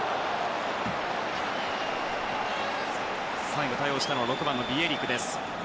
最後、対応したのは６番のビエリク。